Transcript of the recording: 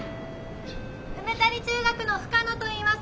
梅谷中学の深野といいます。